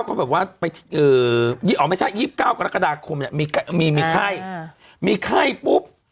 ก็แบบว่าไปไม่ใช่๒๙กรกฎาคมเนี่ยมีไข้มีไข้ปุ๊บ